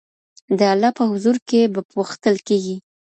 د الله په حضور کي به پوښتل کېږئ.